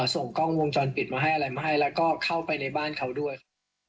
ส่งกล้องวงจรปิดมาให้อะไรมาให้แล้วก็เข้าไปในบ้านเขาด้วย